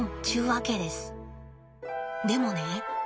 でもね